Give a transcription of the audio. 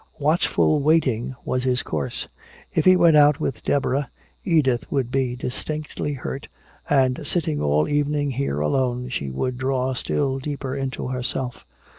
Watchful waiting was his course. If he went out with Deborah, Edith would be distinctly hurt, and sitting all evening here alone she would draw still deeper into herself.